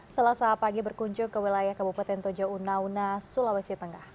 selasa pagi berkunjung ke wilayah kabupaten toja unauna sulawesi tengah